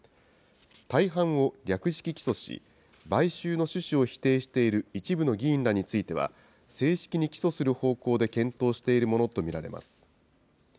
大半を略式起訴し、買収の趣旨を否定している一部の議員らについては、正式に起訴する方向で検討しているものと見られます。